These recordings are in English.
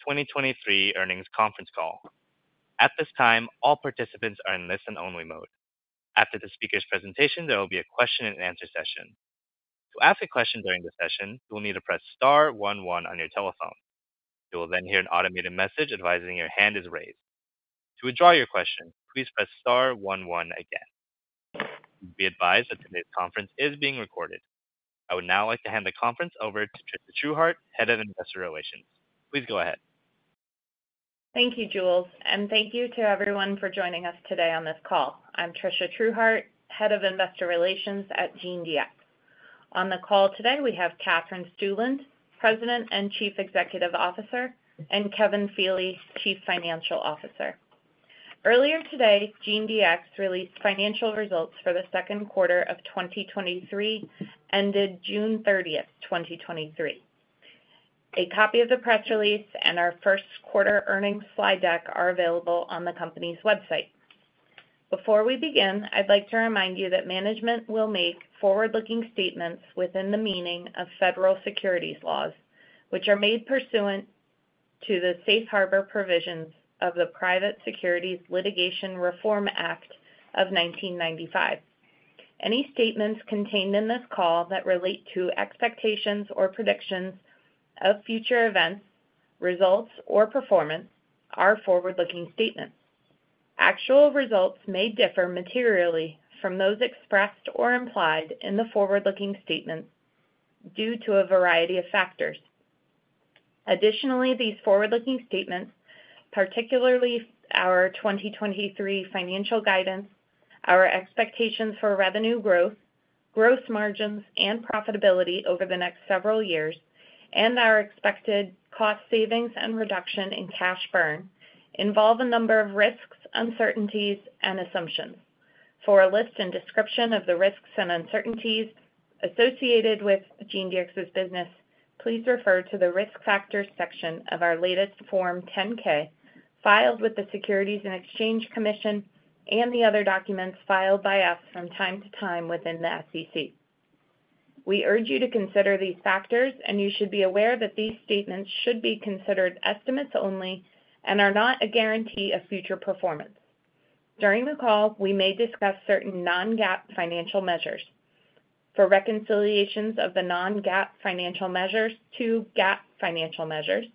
2023 earnings conference call. At this time, all participants are in listen-only mode. After the speaker's presentation, there will be a question-and-answer session. To ask a question during the session, you will need to press star-one-one on your telephone. You will then hear an automated message advising your hand is raised. To withdraw your question, please press star-one-one again. Be advised that today's conference is being recorded. I would now like to hand the conference over to Tricia Truehart, Head of Investor Relations. Please go ahead. Thank you, Jules, and thank you to everyone for joining us today on this call. I'm Tricia Truehart, Head of Investor Relations at GeneDx. On the call today, we have Katherine Stueland, President and Chief Executive Officer, and Kevin Feeley, Chief Financial Officer. Earlier today, GeneDx released financial results for the second quarter of 2023, ended June 30th, 2023. A copy of the press release and our first quarter earnings slide deck are available on the company's website. Before we begin, I'd like to remind you that management will make forward-looking statements within the meaning of federal securities laws, which are made pursuant to the Safe Harbor provisions of the Private Securities Litigation Reform Act of 1995. Any statements contained in this call that relate to expectations or predictions of future events, results, or performance are forward-looking statements. Actual results may differ materially from those expressed or implied in the forward-looking statements due to a variety of factors. Additionally, these forward-looking statements, particularly our 2023 financial guidance, our expectations for revenue growth, growth margins, and profitability over the next several years, and our expected cost savings and reduction in cash burn, involve a number of risks, uncertainties, and assumptions. For a list and description of the risks and uncertainties associated with GeneDx's business, please refer to the Risk Factors section of our latest Form 10-K, filed with the Securities and Exchange Commission and the other documents filed by us from time to time within the SEC. We urge you to consider these factors, you should be aware that these statements should be considered estimates only and are not a guarantee of future performance. During the call, we may discuss certain non-GAAP financial measures. For reconciliations of the non-GAAP financial measures to GAAP financial measures,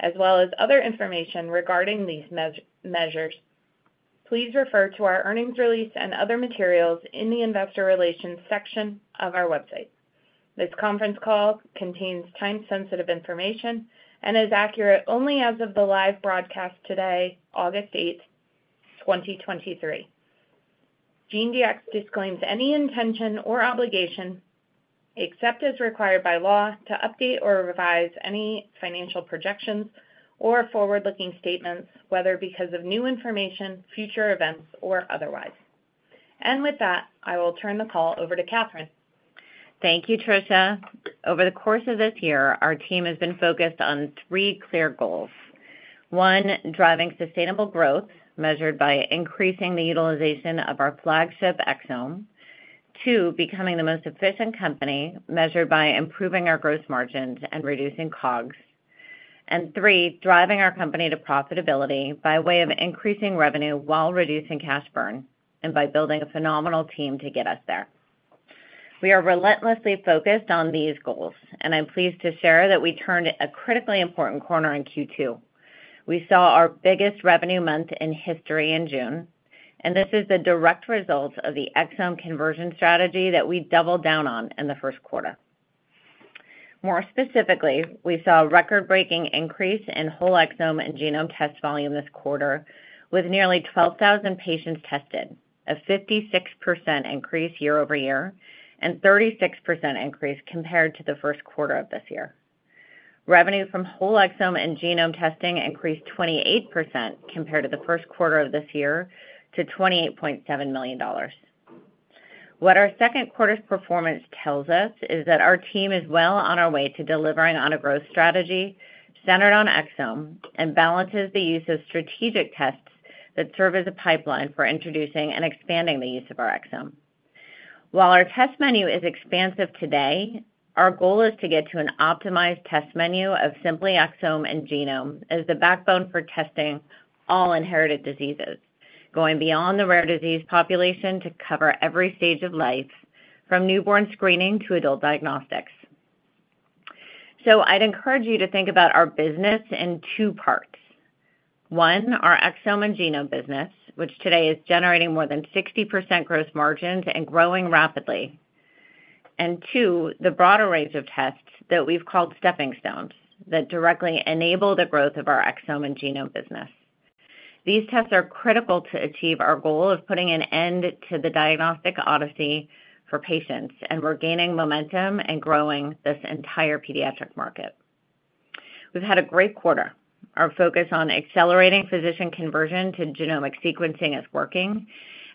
as well as other information regarding these measures, please refer to our earnings release and other materials in the Investor Relations section of our website. This conference call contains time-sensitive information and is accurate only as of the live broadcast today, August 8th, 2023. GeneDx disclaims any intention or obligation, except as required by law, to update or revise any financial projections or forward-looking statements, whether because of new information, future events, or otherwise. With that, I will turn the call over to Katherine. Thank you, Tricia. Over the course of this year, our team has been focused on three clear goals. One, driving sustainable growth, measured by increasing the utilization of our flagship exome. Two, becoming the most efficient company, measured by improving our gross margins and reducing COGS. Three, driving our company to profitability by way of increasing revenue while reducing cash burn and by building a phenomenal team to get us there. We are relentlessly focused on these goals, and I'm pleased to share that we turned a critically important corner in Q2. We saw our biggest revenue month in history in June, and this is the direct result of the exome conversion strategy that we doubled down on in the first quarter. More specifically, we saw a record-breaking increase in whole exome and genome test volume this quarter, with nearly 12,000 patients tested, a 56% increase year-over-year and 36% increase compared to the first quarter of this year. Revenue from whole exome and genome testing increased 28% compared to the first quarter of this year to $28.7 million. What our second quarter's performance tells us is that our team is well on our way to delivering on a growth strategy centered on exome and balances the use of strategic tests that serve as a pipeline for introducing and expanding the use of our exome. While our test menu is expansive today, our goal is to get to an optimized test menu of simply exome and genome as the backbone for testing all inherited diseases, going beyond the rare disease population to cover every stage of life, from newborn screening to adult diagnostics. I'd encourage you to think about our business in two parts. One, our exome and genome business, which today is generating more than 60% gross margins and growing rapidly. Two, the broader range of tests that we've called stepping stones, that directly enable the growth of our exome and genome business. These tests are critical to achieve our goal of putting an end to the diagnostic odyssey for patients, and we're gaining momentum and growing this entire pediatric market. We've had a great quarter. Our focus on accelerating physician conversion to genomic sequencing is working,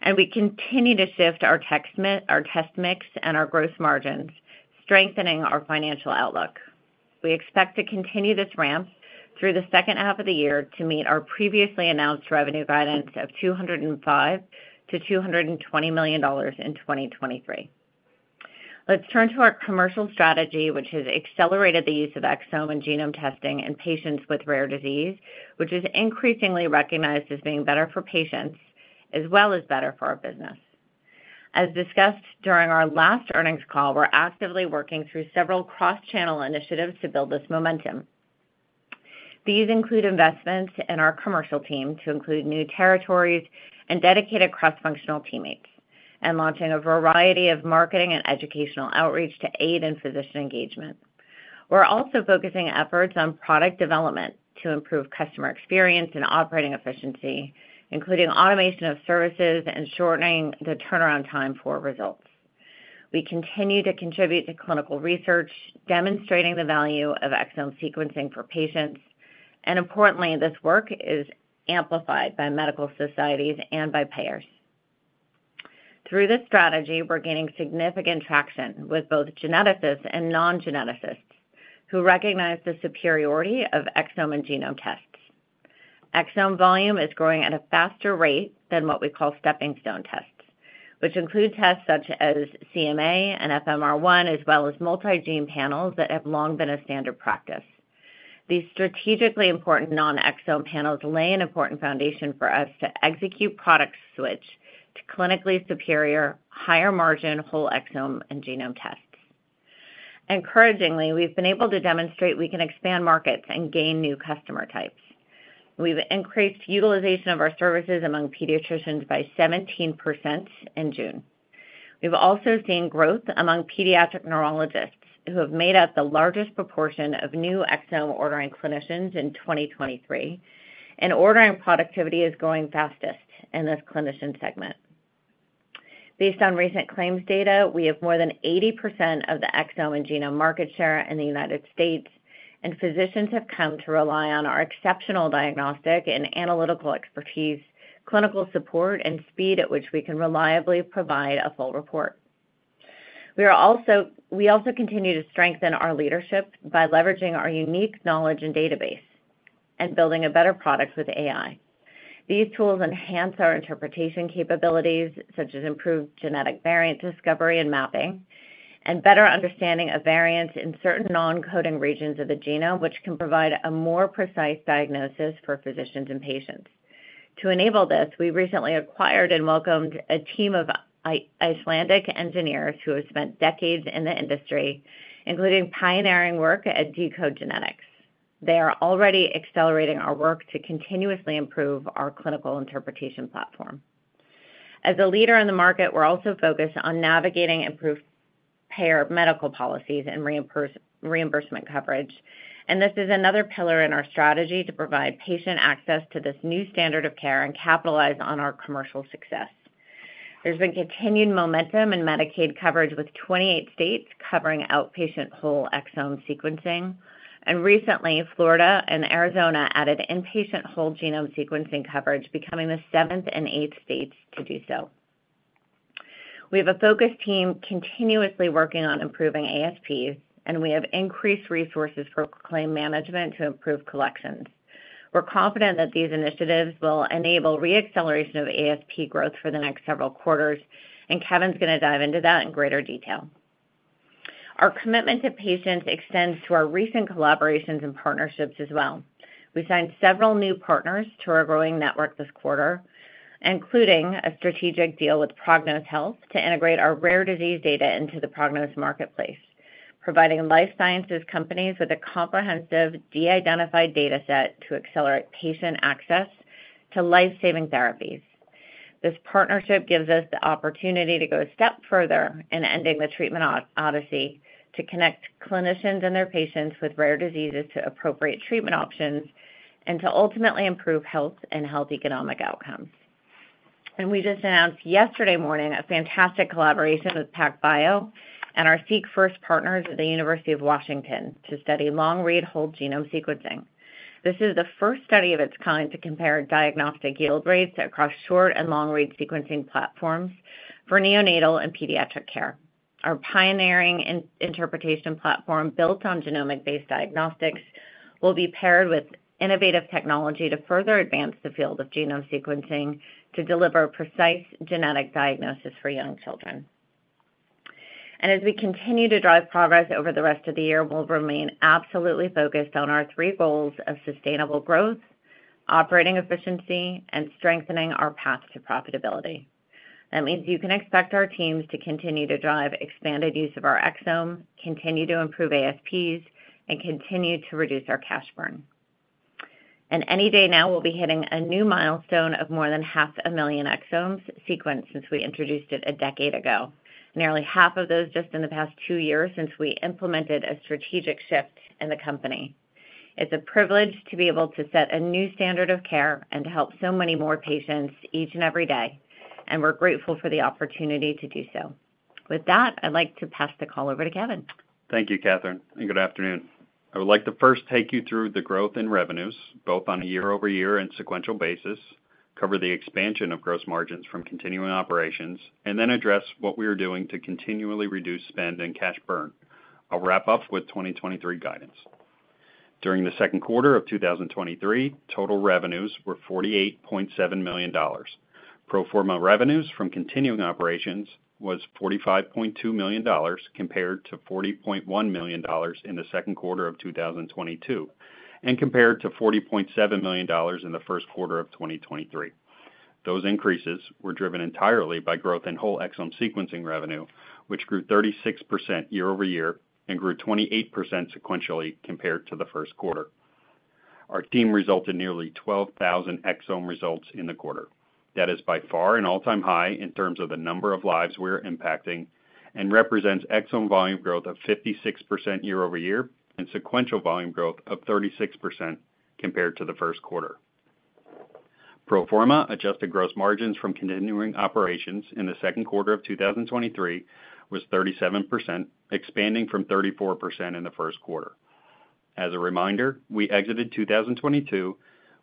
and we continue to shift our test mix and our gross margins, strengthening our financial outlook. We expect to continue this ramp through the second half of the year to meet our previously announced revenue guidance of $205 million-$220 million in 2023. Let's turn to our commercial strategy, which has accelerated the use of exome and genome testing in patients with rare disease, which is increasingly recognized as being better for patients, as well as better for our business. As discussed during our last earnings call, we're actively working through several cross-channel initiatives to build this momentum. These include investments in our commercial team to include new territories and dedicated cross-functional teammates, and launching a variety of marketing and educational outreach to aid in physician engagement. We're also focusing efforts on product development to improve customer experience and operating efficiency, including automation of services and shortening the turnaround time for results. We continue to contribute to clinical research, demonstrating the value of exome sequencing for patients. Importantly, this work is amplified by medical societies and by payers. Through this strategy, we're gaining significant traction with both geneticists and non-geneticists, who recognize the superiority of exome and genome tests. Exome volume is growing at a faster rate than what we call stepping stone tests, which include tests such as CMA and FMR1, as well as multi-gene panels that have long been a standard practice. These strategically important non-exome panels lay an important foundation for us to execute product switch to clinically superior, higher-margin, whole exome and genome tests. Encouragingly, we've been able to demonstrate we can expand markets and gain new customer types. We've increased utilization of our services among pediatricians by 17% in June. We've also seen growth among pediatric neurologists, who have made up the largest proportion of new exome ordering clinicians in 2023, and ordering productivity is growing fastest in this clinician segment. Based on recent claims data, we have more than 80% of the exome and genome market share in the United States, and physicians have come to rely on our exceptional diagnostic and analytical expertise, clinical support, and speed at which we can reliably provide a full report. We also continue to strengthen our leadership by leveraging our unique knowledge and database and building a better product with AI. These tools enhance our interpretation capabilities, such as improved genetic variant discovery and mapping, and better understanding of variants in certain non-coding regions of the genome, which can provide a more precise diagnosis for physicians and patients. To enable this, we recently acquired and welcomed a team of Icelandic engineers who have spent decades in the industry, including pioneering work at deCODE genetics. They are already accelerating our work to continuously improve our clinical interpretation platform. As a leader in the market, we're also focused on navigating improved payer medical policies and reimbursement coverage, this is another pillar in our strategy to provide patient access to this new standard of care and capitalize on our commercial success. There's been continued momentum in Medicaid coverage, with 28 states covering outpatient whole exome sequencing. Recently, Florida and Arizona added inpatient whole genome sequencing coverage, becoming the seventh and eighth states to do so. We have a focused team continuously working on improving ASPs, and we have increased resources for claim management to improve collections. We're confident that these initiatives will enable re-acceleration of ASP growth for the next several quarters. Kevin's going to dive into that in greater detail. Our commitment to patients extends to our recent collaborations and partnerships as well. We signed several new partners to our growing network this quarter, including a strategic deal with Prognos Health to integrate our rare disease data into the Prognos Marketplace, providing life sciences companies with a comprehensive, de-identified data set to accelerate patient access to life-saving therapies. This partnership gives us the opportunity to go a step further in ending the treatment odyssey, to connect clinicians and their patients with rare diseases to appropriate treatment options, to ultimately improve health and health economic outcomes. We just announced yesterday morning a fantastic collaboration with PacBio and our SeqFirst partners at the University of Washington to study long-read whole genome sequencing. This is the first study of its kind to compare diagnostic yield rates across short and long-read sequencing platforms for neonatal and pediatric care. Our pioneering interpretation platform, built on genomic-based diagnostics, will be paired with innovative technology to further advance the field of genome sequencing to deliver precise genetic diagnosis for young children. As we continue to drive progress over the rest of the year, we'll remain absolutely focused on our three goals of sustainable growth, operating efficiency, and strengthening our path to profitability. That means you can expect our teams to continue to drive expanded use of our exome, continue to improve ASPs, and continue to reduce our cash burn. Any day now, we'll be hitting a new milestone of more than 500,000 exomes sequenced since we introduced it a decade ago, nearly half of those just in the past two years since we implemented a strategic shift in the company. It's a privilege to be able to set a new standard of care and to help so many more patients each and every day, and we're grateful for the opportunity to do so. With that, I'd like to pass the call over to Kevin. Thank you, Katherine. Good afternoon. I would like to first take you through the growth in revenues, both on a year-over-year and sequential basis, cover the expansion of gross margins from continuing operations, then address what we are doing to continually reduce spend and cash burn. I'll wrap up with 2023 guidance. During the second quarter of 2023, total revenues were $48.7 million. Pro forma revenues from continuing operations was $45.2 million, compared to $40.1 million in the second quarter of 2022, compared to $40.7 million in the first quarter of 2023. Those increases were driven entirely by growth in whole exome sequencing revenue, which grew 36% year-over-year and grew 28% sequentially compared to the first quarter. Our team resulted nearly 12,000 exome results in the quarter. That is by far an all-time high in terms of the number of lives we are impacting and represents exome volume growth of 56% year-over-year, and sequential volume growth of 36% compared to the first quarter. Pro forma adjusted gross margins from continuing operations in the second quarter of 2023 was 37%, expanding from 34% in the first quarter. As a reminder, we exited 2022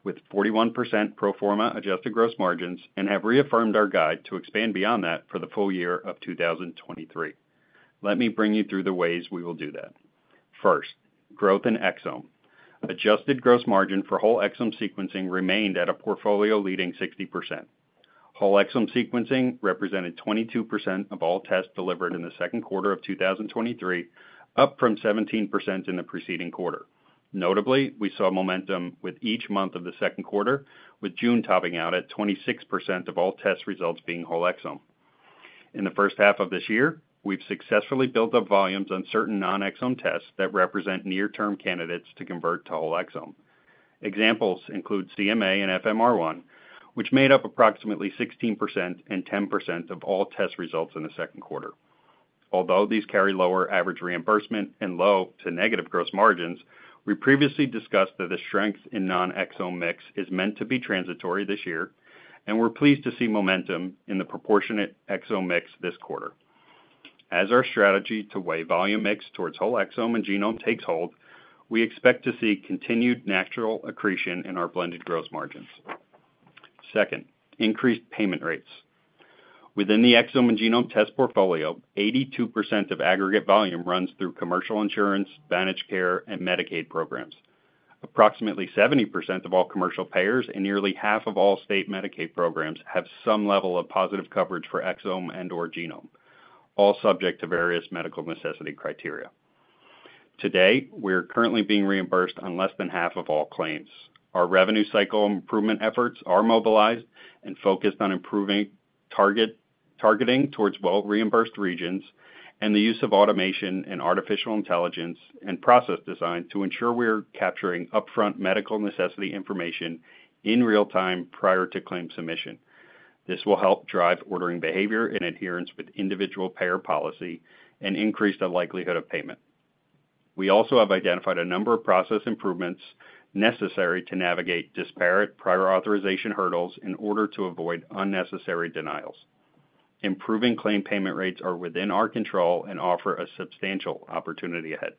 with 41% pro forma adjusted gross margins and have reaffirmed our guide to expand beyond that for the full year of 2023. Let me bring you through the ways we will do that. First, growth in exome. Adjusted gross margin for whole exome sequencing remained at a portfolio leading 60%. Whole exome sequencing represented 22% of all tests delivered in the second quarter of 2023, up from 17% in the preceding quarter. Notably, we saw momentum with each month of the second quarter, with June topping out at 26% of all test results being whole exome. In the first half of this year, we've successfully built up volumes on certain non-exome tests that represent near-term candidates to convert to whole exome. Examples include CMA and FMR1, which made up approximately 16% and 10% of all test results in the second quarter. Although these carry lower average reimbursement and low to negative gross margins, we previously discussed that the strength in non-exome mix is meant to be transitory this year, and we're pleased to see momentum in the proportionate exome mix this quarter. As our strategy to weigh volume mix towards whole exome and genome takes hold, we expect to see continued natural accretion in our blended gross margins. Second, increased payment rates. Within the exome and genome test portfolio, 82% of aggregate volume runs through commercial insurance, managed care, and Medicaid programs. Approximately 70% of all commercial payers and nearly half of all state Medicaid programs have some level of positive coverage for exome and/or genome, all subject to various medical necessity criteria. Today, we're currently being reimbursed on less than half of all claims. Our revenue cycle improvement efforts are mobilized and focused on improving targeting towards well-reimbursed regions and the use of automation and artificial intelligence and process design to ensure we are capturing upfront medical necessity information in real time prior to claim submission. This will help drive ordering behavior and adherence with individual payer policy and increase the likelihood of payment. We also have identified a number of process improvements necessary to navigate disparate prior authorization hurdles in order to avoid unnecessary denials. Improving claim payment rates are within our control and offer a substantial opportunity ahead.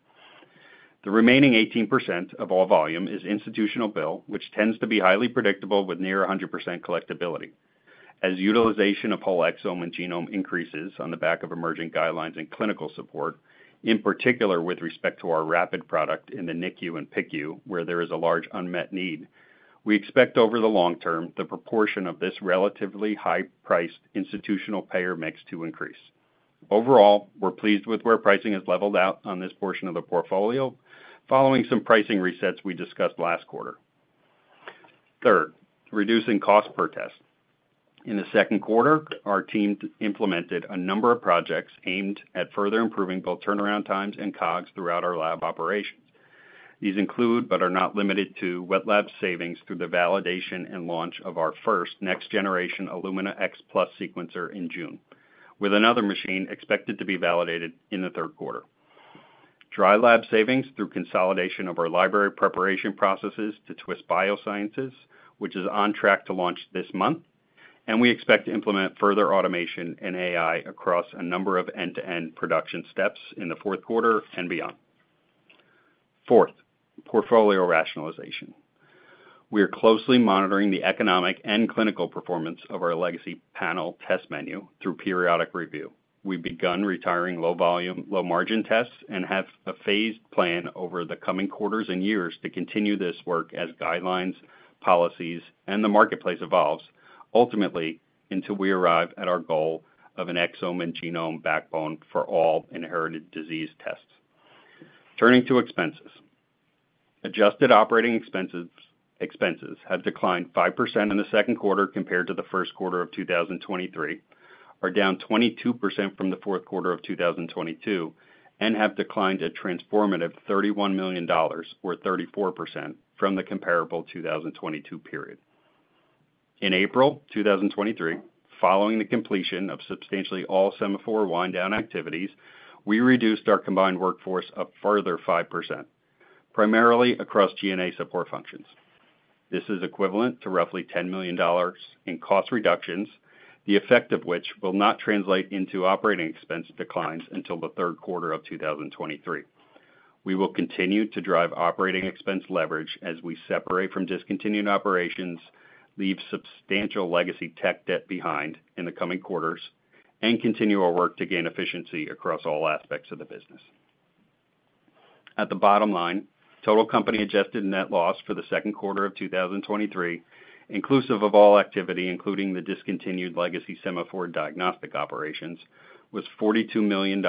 The remaining 18% of all volume is institutional bill, which tends to be highly predictable with near 100% collectability. As utilization of whole exome and genome increases on the back of emerging guidelines and clinical support, in particular with respect to our rapid product in the NICU and PICU, where there is a large unmet need, we expect over the long-term, the proportion of this relatively high-priced institutional payer mix to increase. Overall, we're pleased with where pricing has leveled out on this portion of the portfolio, following some pricing resets we discussed last quarter. Third, reducing cost per test. In the second quarter, our team implemented a number of projects aimed at further improving both turnaround times and COGS throughout our lab operations. These include, but are not limited to, wet lab savings through the validation and launch of our first next generation Illumina X Plus sequencer in June, with another machine expected to be validated in the third quarter. Dry lab savings through consolidation of our library preparation processes to Twist Bioscience, which is on track to launch this month, and we expect to implement further automation and AI across a number of end-to-end production steps in the fourth quarter and beyond. Fourth, portfolio rationalization. We are closely monitoring the economic and clinical performance of our legacy panel test menu through periodic review. We've begun retiring low volume, low-margin tests and have a phased plan over the coming quarters and years to continue this work as guidelines, policies, and the marketplace evolves, ultimately, until we arrive at our goal of an exome and genome backbone for all inherited disease tests. Turning to expenses. Adjusted operating expenses, expenses have declined 5% in the second quarter compared to the first quarter of 2023, are down 22% from the fourth quarter of 2022, and have declined a transformative $31 million, or 34%, from the comparable 2022 period. In April 2023, following the completion of substantially all Sema4.ai wind down activities, we reduced our combined workforce a further 5%, primarily across G&A support functions. This is equivalent to roughly $10 million in cost reductions, the effect of which will not translate into operating expense declines until the third quarter of 2023. We will continue to drive operating expense leverage as we separate from discontinued operations, leave substantial legacy tech debt behind in the coming quarters and continue our work to gain efficiency across all aspects of the business. At the bottom line, total company-adjusted net loss for the second quarter of 2023, inclusive of all activity, including the discontinued legacy Sema4.ai diagnostic operations, was $42 million,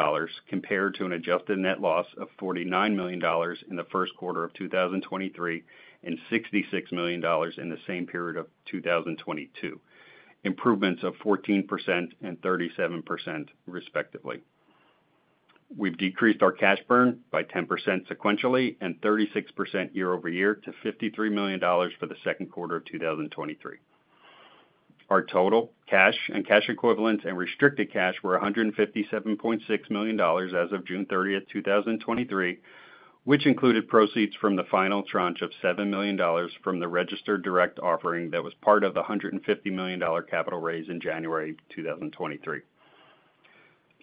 compared to an adjusted net loss of $49 million in the first quarter of 2023, and $66 million in the same period of 2022, improvements of 14% and 37%, respectively. We've decreased our cash burn by 10% sequentially and 36% year-over-year to $53 million for the second quarter of 2023. Our total cash and cash equivalents and restricted cash were $157.6 million as of June 30th, 2023, which included proceeds from the final tranche of $7 million from the registered direct offering that was part of the $150 million capital raise in January 2023.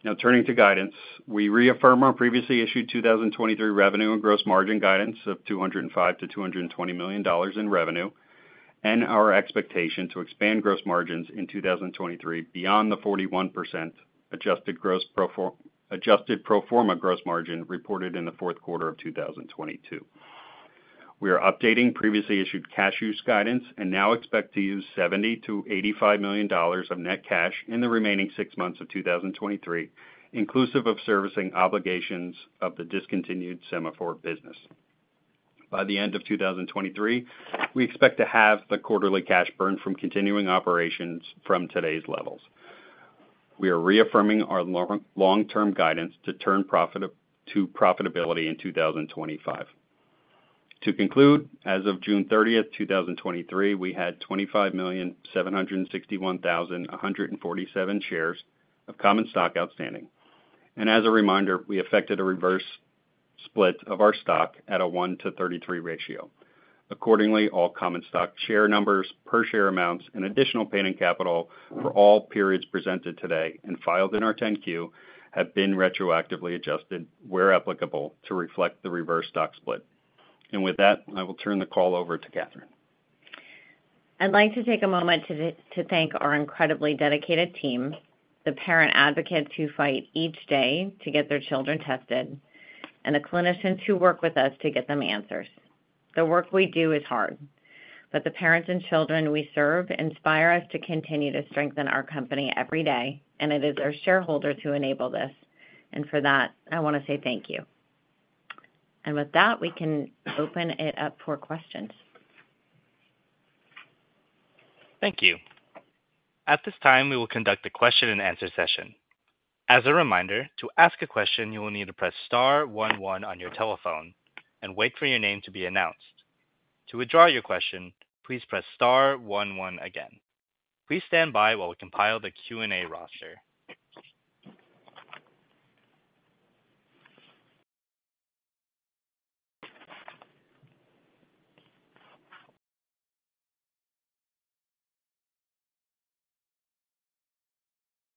Now, turning to guidance, we reaffirm our previously issued 2023 revenue and gross margin guidance of $205 million-$220 million in revenue, and our expectation to expand gross margins in 2023 beyond the 41% adjusted pro forma gross margin reported in the fourth quarter of 2022. We are updating previously issued cash use guidance and now expect to use $70 million-$85 million of net cash in the remaining six months of 2023, inclusive of servicing obligations of the discontinued Sema4.ai business. By the end of 2023, we expect to have the quarterly cash burn from continuing operations from today's levels. We are reaffirming our long-term guidance to turn to profitability in 2025. To conclude, as of June 30th, 2023, we had 25,761,147 shares of common stock outstanding. As a reminder, we affected a reverse split of our stock at a 1 to 33 ratio. Accordingly, all common stock share numbers, per share amounts, and additional paid-in capital for all periods presented today and filed in our 10-Q have been retroactively adjusted, where applicable, to reflect the reverse stock split. With that, I will turn the call over to Katherine. I'd like to take a moment to thank our incredibly dedicated team, the parent advocates who fight each day to get their children tested, and the clinicians who work with us to get them answers. The work we do is hard, but the parents and children we serve inspire us to continue to strengthen our company every day, and it is our shareholders who enable this, and for that, I want to say thank you. With that, we can open it up for questions. Thank you. At this time, we will conduct a question-and-answer session. As a reminder, to ask a question, you will need to press star-one-one on your telephone and wait for your name to be announced. To withdraw your question, please press star-one-one again. Please stand by while we compile the Q&A roster.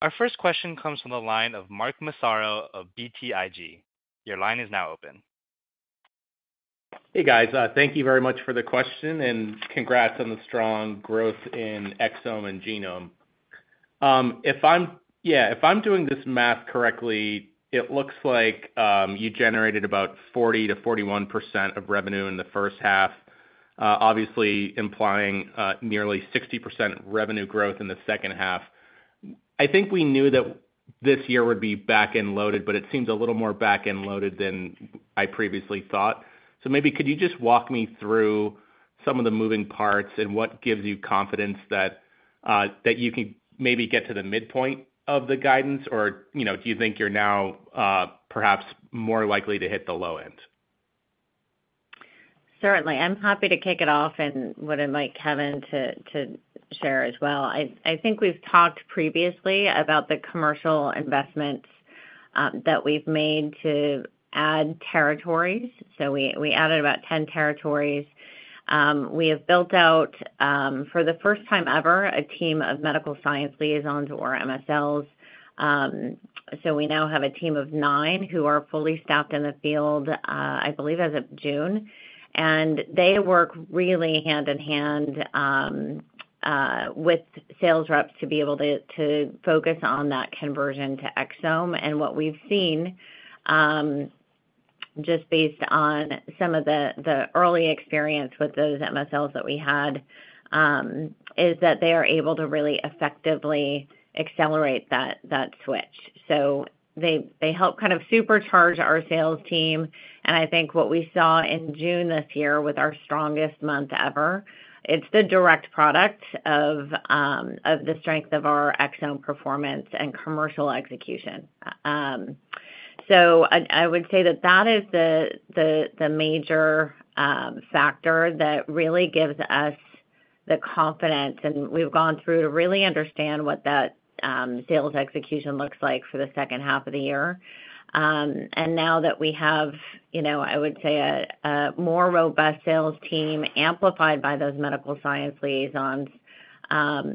Our first question comes from the line of Mark Massaro of BTIG. Your line is now open. Hey, guys, thank you very much for the question, and congrats on the strong growth in exome and genome. Yeah, if I'm doing this math correctly, it looks like you generated about 40%-41% of revenue in the first half, obviously implying nearly 60% revenue growth in the second half. I think we knew that this year would be back-end loaded, but it seems a little more back-end loaded than I previously thought. Maybe could you just walk me through some of the moving parts and what gives you confidence that you can maybe get to the midpoint of the guidance or, you know, do you think you're now perhaps more likely to hit the low end? Certainly. I'm happy to kick it off and would invite Kevin to share as well. I think we've talked previously about the commercial investments that we've made to add territories. We added about 10 territories. We have built out, for the first time ever, a team of medical science liaisons, or MSLs. We now have a team of nine who are fully staffed in the field, I believe, as of June. They work really hand-in-hand with sales reps to be able to focus on that conversion to exome. What we've seen, just based on some of the early experience with those MSLs that we had, is that they are able to really effectively accelerate that switch. They help kind of supercharge our sales team, and I think what we saw in June this year, with our strongest month ever, it's the direct product of the strength of our exome performance and commercial execution. I would say that that is the, the, the major factor that really gives us the confidence, and we've gone through to really understand what that sales execution looks like for the second half of the year. Now that we have, you know, I would say a more robust sales team amplified by those medical science liaisons,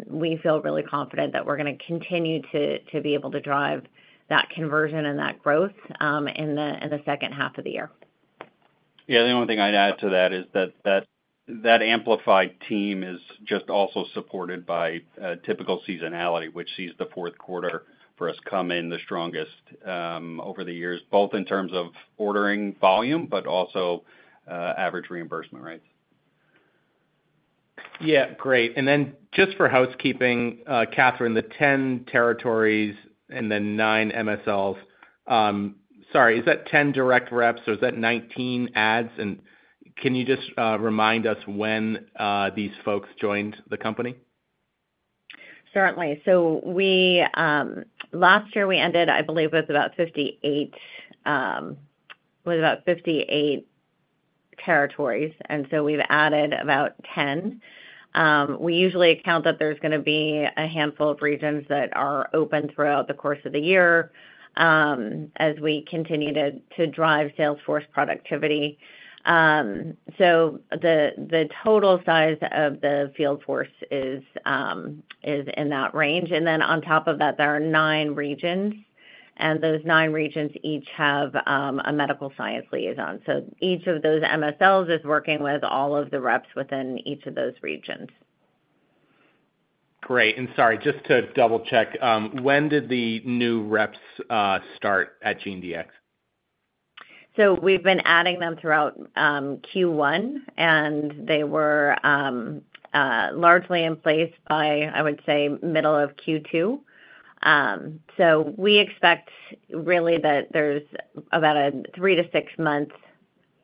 we feel really confident that we're going to continue to be able to drive that conversion and that growth in the second half of the year. Yeah, the only thing I'd add to that is that, that amplified team is just also supported by, typical seasonality, which sees the fourth quarter for us come in the strongest, over the years, both in terms of ordering volume, but also, average reimbursement rates. Yeah, great. Just for housekeeping, Katherine, the 10 territories and the nine MSLs, sorry, is that 10 direct reps, or is that 19 ads? Can you just remind us when these folks joined the company? Certainly. Last year we ended, I believe, with about 58 territories, and so we've added about 10. We usually account that there's going to be a handful of regions that are open throughout the course of the year, as we continue to drive sales force productivity. The, the total size of the field force is in that range. Then on top of that, there are nine regions, and those nine regions each have, a medical science liaison. Each of those MSLs is working with all of the reps within each of those regions. Great. Sorry, just to double-check, when did the new reps start at GeneDx? We've been adding them throughout Q1, and they were largely in place by, I would say, middle of Q2. We expect really that there's about a three to six month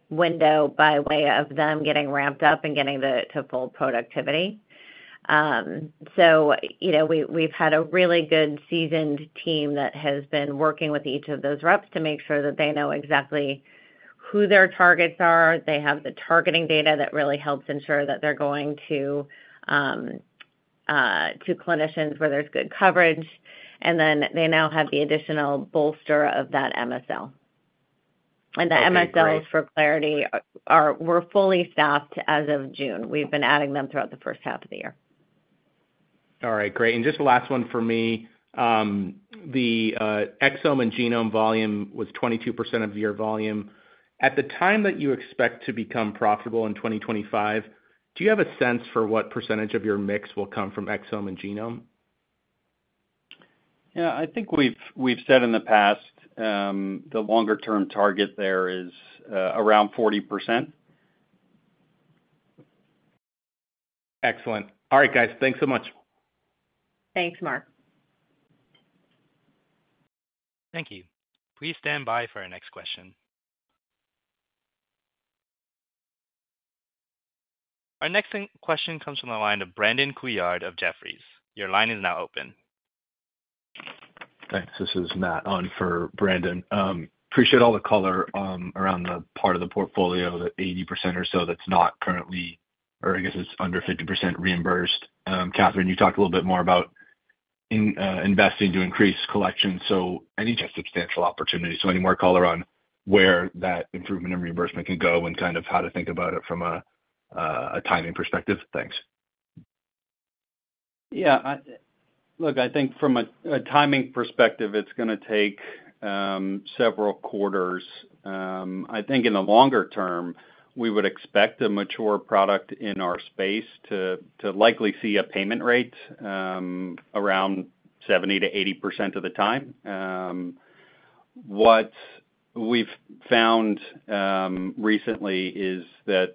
window by way of them getting ramped up and getting the, to full productivity. You know, we, we've had a really good, seasoned team that has been working with each of those reps to make sure that they know exactly who their targets are. They have the targeting data that really helps ensure that they're going to clinicians where there's good coverage, and then they now have the additional bolster of that MSL. The MSLs, for clarity, were fully staffed as of June. We've been adding them throughout the first half of the year. All right, great. Just the last one for me. The exome and genome volume was 22% of your volume. At the time that you expect to become profitable in 2025, do you have a sense for what percentage of your mix will come from exome and genome? Yeah, I think we've, we've said in the past, the longer-term target there is, around 40%. Excellent. All right, guys. Thanks so much. Thanks, Mark. Thank you. Please stand by for our next question. Our next question comes from the line of Brandon Couillard of Jefferies. Your line is now open. Thanks. This is Matt on for Brandon. Appreciate all the color, around the part of the portfolio, the 80% or so, that's not currently, or I guess it's under 50% reimbursed. Katherine, you talked a little bit more about investing to increase collection, so any just substantial opportunity? Any more color on where that improvement in reimbursement can go and kind of how to think about it from a, a timing perspective? Thanks. Yeah, look, I think from a timing perspective, it's going to take several quarters. I think in the longer-term, we would expect a mature product in our space to likely see a payment rate around 70%-80% of the time. What we've found recently is that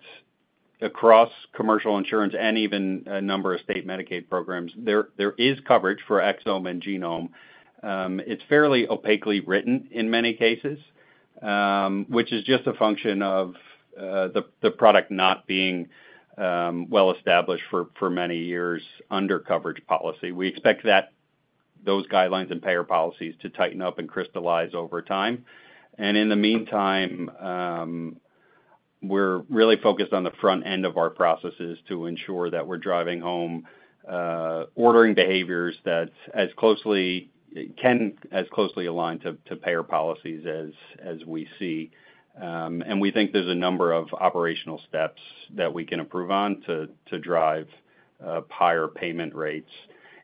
across commercial insurance and even a number of state Medicaid programs, there is coverage for exome and genome. It's fairly opaquely written in many cases, which is just a function of the product not being well established for many years under coverage policy. We expect those guidelines and payer policies to tighten up and crystallize over time. In the meantime, we're really focused on the front end of our processes to ensure that we're driving home ordering behaviors that can, as closely aligned to payer policies as we see. We think there's a number of operational steps that we can improve on to drive higher payment rates.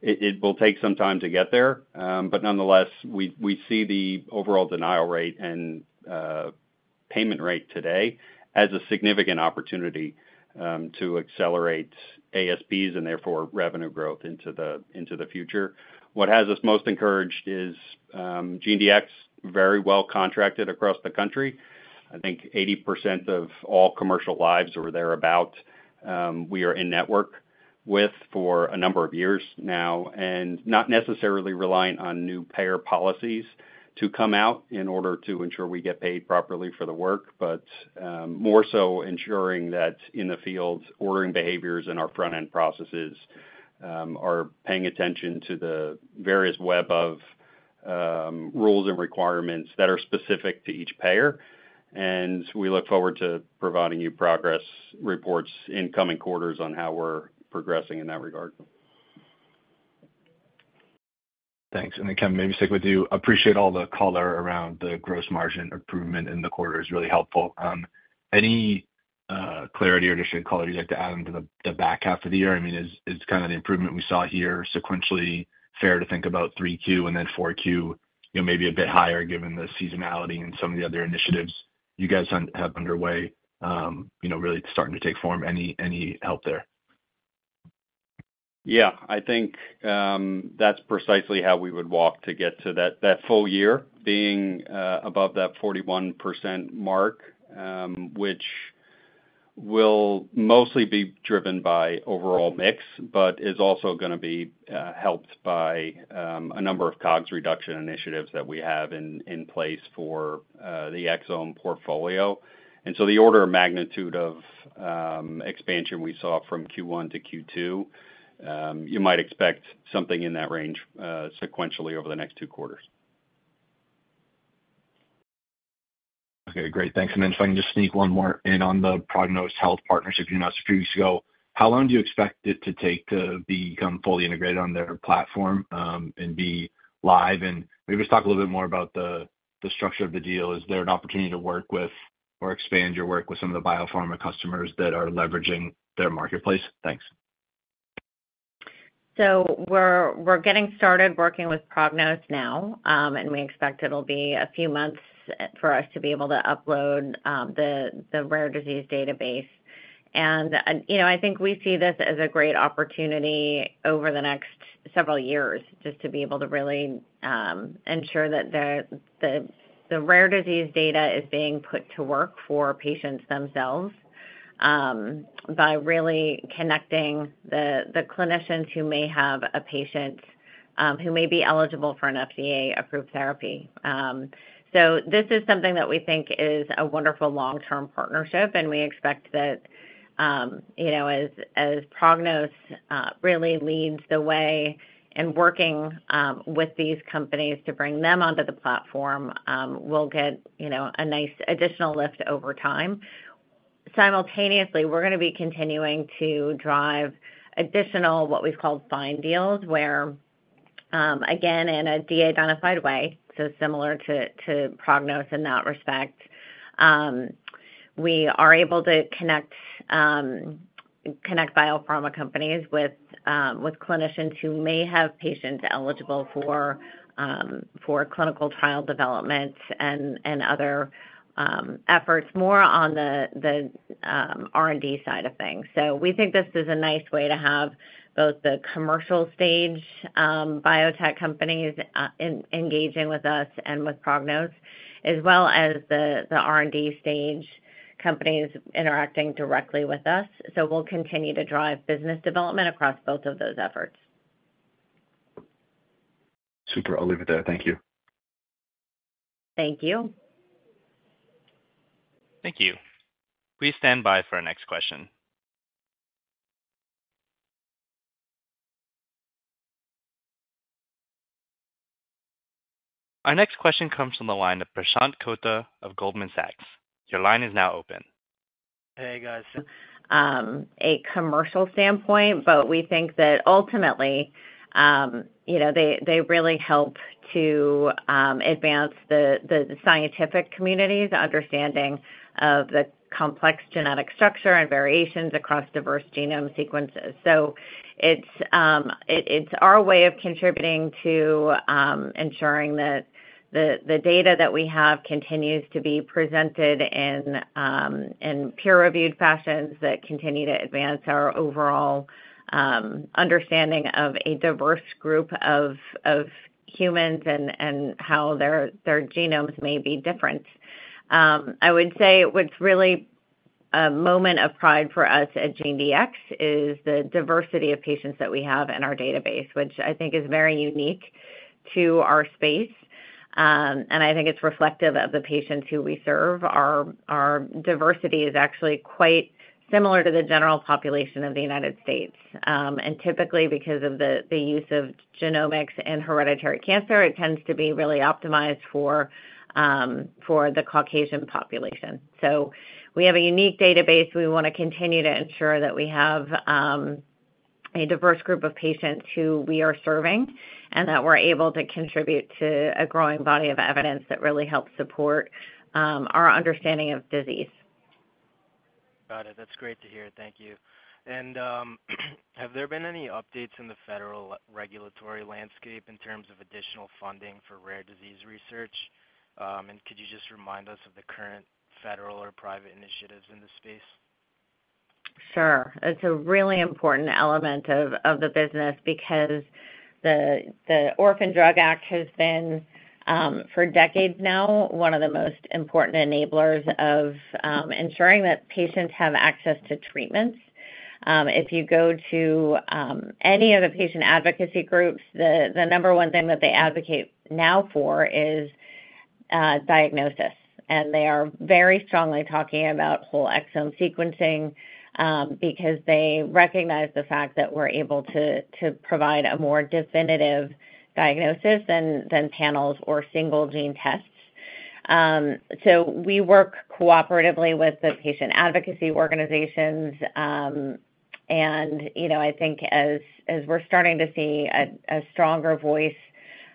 It will take some time to get there, but nonetheless, we see the overall denial rate and payment rate today as a significant opportunity to accelerate ASPs and therefore revenue growth into the future. What has us most encouraged is, GeneDx, very well contracted across the country. I think 80% of all commercial lives or thereabout, we are in network with for a number of years now, and not necessarily reliant on new payer policies to come out in order to ensure we get paid properly for the work, but more so ensuring that in the field, ordering behaviors and our front-end processes are paying attention to the various web of rules and requirements that are specific to each payer, and we look forward to providing you progress reports in coming quarters on how we're progressing in that regard. Thanks. Kevin, maybe stick with you. Appreciate all the color around the gross margin improvement in the quarter is really helpful. clarity or just shade color you'd like to add into the back half of the year? I mean, is kind of the improvement we saw here sequentially fair to think about 3Q and then 4Q, you know, maybe a bit higher, given the seasonality and some of the other initiatives you guys have underway, you know, really starting to take form. Any help there? Yeah, I think, that's precisely how we would walk to get to that full year being above that 41% mark, which will mostly be driven by overall mix, but is also going to be helped by a number of COGS reduction initiatives that we have in place for the exome portfolio. So the order of magnitude of expansion we saw from Q1 to Q2, you might expect something in that range sequentially over the next two quarters. Okay, great. Thanks. Then if I can just sneak one more in on the Prognos Health partnership, you know, a few weeks ago. How long do you expect it to take to become fully integrated on their platform, and be live? Maybe just talk a little bit more about the, the structure of the deal. Is there an opportunity to work with or expand your work with some of the biopharma customers that are leveraging their marketplace? Thanks. We're, we're getting started working with Prognos now, and we expect it'll be a few months for us to be able to upload, the, the rare disease database. You know, I think we see this as a great opportunity over the next several years, just to be able to really, ensure that the rare disease data is being put to work for patients themselves, by really connecting the clinicians who may have a patient, who may be eligible for an FDA-approved therapy. This is something that we think is a wonderful long-term partnership, and we expect that, as Prognos, really leads the way in working, with these companies to bring them onto the platform, we'll get, you know, a nice additional lift over time. Simultaneously, we're gonna be continuing to drive additional, what we've called find deals, where, again, in a de-identified way, so similar to Prognos in that respect, we are able to connect biopharma companies with, with clinicians who may have patients eligible for clinical trial development and other, efforts more on the R&D side of things. We think this is a nice way to have both the commercial stage, biotech companies, engaging with us and with Prognos, as well as the R&D stage companies interacting directly with us. We'll continue to drive business development across both of those efforts. Super. I'll leave it there. Thank you. Thank you. Thank you. Please stand by for our next question. Our next question comes from the line of Prashant Kota of Goldman Sachs. Your line is now open. Hey, guys. A commercial standpoint, but we think that ultimately, you know, they, they really help to advance the scientific community's understanding of the complex genetic structure and variations across diverse genome sequences. So it's, it's our way of contributing to ensuring that the data that we have continues to be presented in peer-reviewed fashions that continue to advance our overall understanding of a diverse group of humans and how their genomes may be different. I would say what's really a moment of pride for us at GeneDx is the diversity of patients that we have in our database, which I think is very unique to our space, and I think it's reflective of the patients who we serve. Our diversity is actually quite similar to the general population of the United States. Typically because of the, the use of genomics and hereditary cancer, it tends to be really optimized for the Caucasian population. We have a unique database. We want to continue to ensure that we have a diverse group of patients who we are serving, and that we're able to contribute to a growing body of evidence that really helps support our understanding of disease. Got it. That's great to hear. Thank you. Have there been any updates in the federal regulatory landscape in terms of additional funding for rare disease research? Could you just remind us of the current federal or private initiatives in this space? Sure. It's a really important element of the business because the, the Orphan Drug Act has been for decades now, one of the most important enablers of ensuring that patients have access to treatments. If you go to any of the patient advocacy groups, the number one thing that they advocate now for is diagnosis. They are very strongly talking about whole exome sequencing because they recognize the fact that we're able to provide a more definitive diagnosis than panels or single gene tests. We work cooperatively with the patient advocacy organizations. You know, I think as, as we're starting to see a stronger voice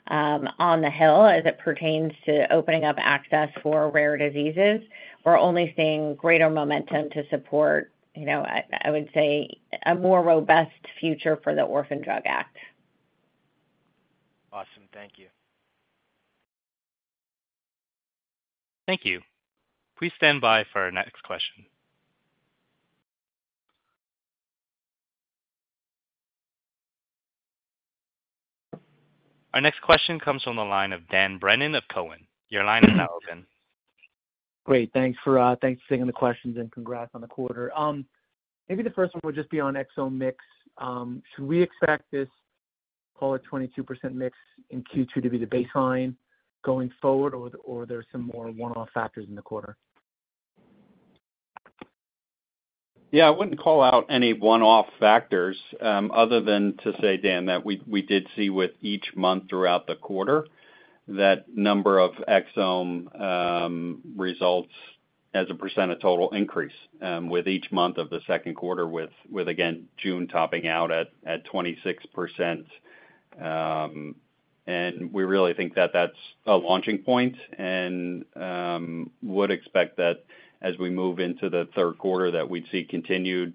on the hill as it pertains to opening up access for rare diseases, we're only seeing greater momentum to support, you know, I would say, a more robust future for the Orphan Drug Act. Awesome. Thank you. Thank you. Please stand by for our next question. Our next question comes from the line of Dan Brennan of Cowen. Your line is now open. Great, thanks for thanks for taking the questions, and congrats on the quarter. Maybe the first one would just be on exome mix. Should we expect this, call it 22% mix in Q2, to be the baseline going forward, or there's some more one-off factors in the quarter? Yeah, I wouldn't call out any one-off factors, other than to say, Dan, that we did see with each month throughout the quarter, that number of exome results as a percent of total increase with each month of the second quarter with, again, June topping out at 26%. And we really think that that's a launching point, and would expect that as we move into the third quarter, that we'd see continued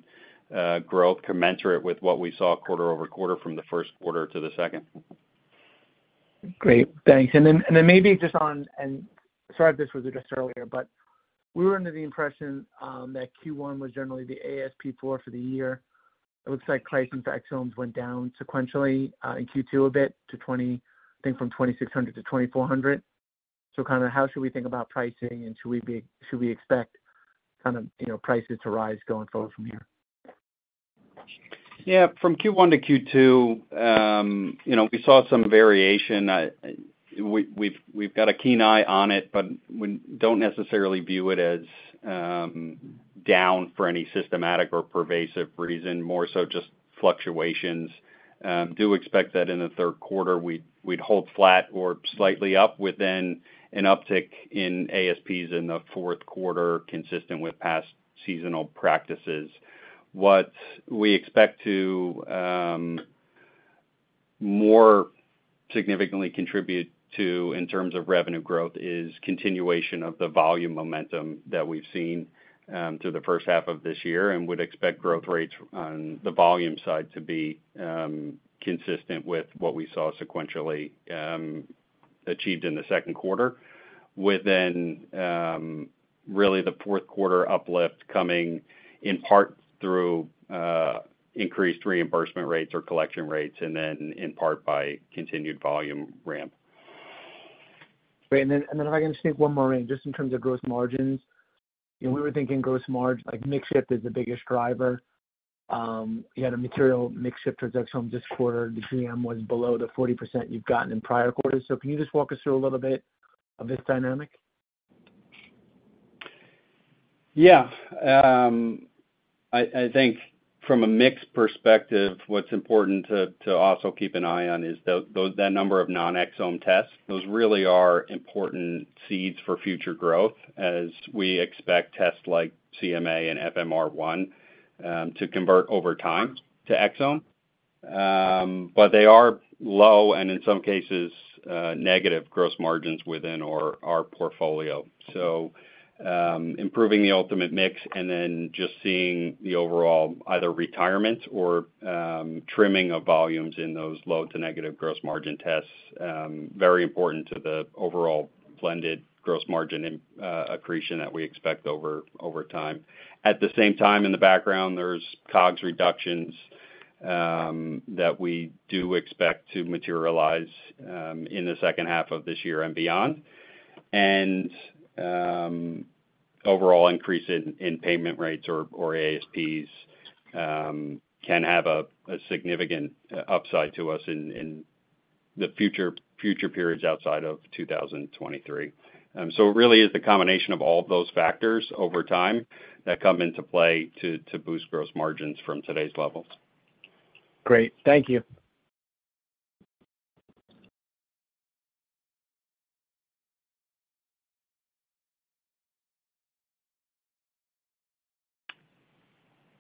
growth commensurate with what we saw quarter-over-quarter from the first quarter to the second. Great, thanks. Maybe just on, and sorry if this was addressed earlier, but we were under the impression that Q1 was generally the ASP for the year. It looks like pricing for exomes went down sequentially in Q2 a bit to I think from $2,600-$2,400. Kind of how should we think about pricing, and should we expect kind of, you know, prices to rise going forward from here? Yeah, from Q1 to Q2, you know, we saw some variation. We've got a keen eye on it, but we don't necessarily view it as down for any systematic or pervasive reason, more so just fluctuations. Do expect that in the third quarter, we'd hold flat or slightly up within an uptick in ASPs in the fourth quarter, consistent with past seasonal practices. What we expect to more significantly contribute to in terms of revenue growth is continuation of the volume momentum that we've seen through the first half of this year and would expect growth rates on the volume side to be consistent with what we saw sequentially achieved in the second quarter. Within, really the fourth quarter uplift coming in part through, increased reimbursement rates or collection rates, and then in part by continued volume ramp. Great. And then if I can just sneak one more in, just in terms of gross margins. You know, we were thinking gross margin, like, mix shift is the biggest driver. You had a material mix shift towards exome this quarter. The GM was below the 40% you've gotten in prior quarters. Can you just walk us through a little bit of this dynamic? Yeah. I think from a mix perspective, what's important to also keep an eye on is that number of non-exome tests. Those really are important seeds for future growth as we expect tests like CMA and FMR1 to convert over time to exome. They are low and, in some cases, negative gross margins within our portfolio. Improving the ultimate mix and then just seeing the overall either retirement or trimming of volumes in those low to negative gross margin tests, very important to the overall blended gross margin and accretion that we expect over time. At the same time, in the background, there's COGS reductions that we do expect to materialize in the second half of this year and beyond. Overall increase in payment rates or ASPs can have a significant upside to us in future periods outside of 2023. It really is the combination of all of those factors over time that come into play to boost gross margins from today's levels. Great. Thank you.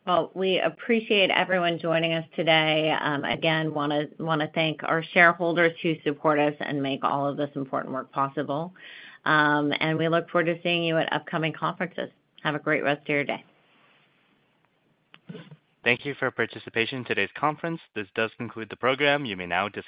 Well, we appreciate everyone joining us today. Again, want to thank our shareholders who support us and make all of this important work possible. We look forward to seeing you at upcoming conferences. Have a great rest of your day. Thank you for your participation in today's conference. This does conclude the program. You may now disconnect.